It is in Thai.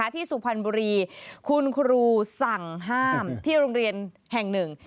สุพรรณบุรีคุณครูสั่งห้ามที่โรงเรียนแห่งหนึ่ง